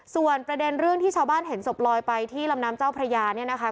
ส่วนประเด็นเรื่องที่ชาวบ้านเห็นศพลอยไปที่ลำน้ำเจ้าพระยาเนี่ยนะคะ